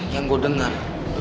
yang gue dengar